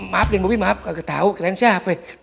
maaf den bobi maaf gak tau kalian siapa